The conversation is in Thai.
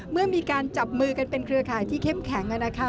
เมื่อมีการจับมือกันเป็นเครือข่ายที่เข้มแข็ง